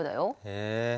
へえ。